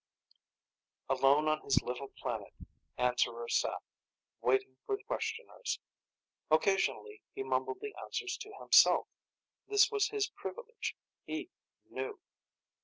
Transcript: Alone on his little planet, Answerer sat, waiting for the Questioners. Occasionally he mumbled the answers to himself. This was his privilege. He Knew.